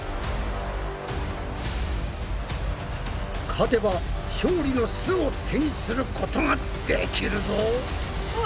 勝てば勝利の「す」を手にすることができるぞ。